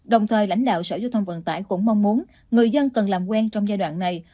đồng thời lãnh đạo sở giao thông vận tải cũng mong muốn người dân cần làm quen trong giai đoạn này